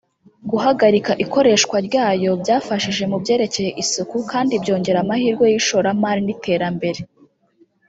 Guharika ikoreshwa ryayo byafashije mu byerekeye isuku kandi byongera amahirwe y’ishoramari n’iterambere